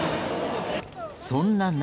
そんな中。